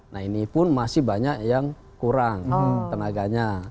nah ini pun masih banyak yang kurang tenaganya